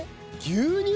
牛乳。